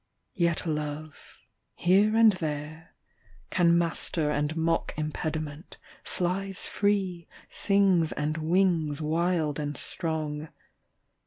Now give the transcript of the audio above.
Yet love, here and there, can master and mock Impediment, flies free, sings and wings Wild and strong.